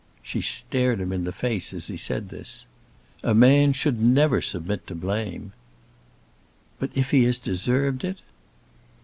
She stared him in the face as he said this. "A man should never submit to blame." "But if he has deserved it?"